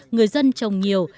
người dân trồng nhiều